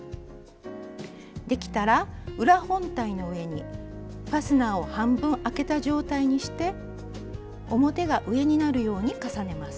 できたら裏本体の上にファスナーを半分開けた状態にして表が上になるように重ねます。